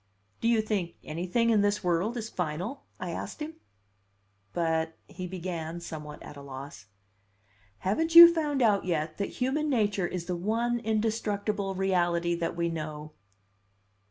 "Do you think anything in this world is final?" I asked him. "But " he began, somewhat at a loss. "Haven't you found out yet that human nature is the one indestructible reality that we know?"